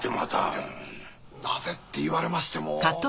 いやなぜって言われましても。